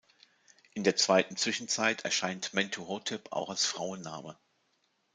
In der Zweiten Zwischenzeit erscheint Mentuhotep auch als Frauenname.